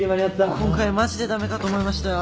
今回マジで駄目かと思いましたよ。